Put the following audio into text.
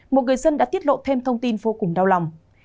một người dân đã tiết lộ thêm thông tin vô cùng đau lòng